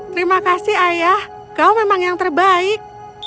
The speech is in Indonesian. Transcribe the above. terima kasih ayah kau memang yang terbaik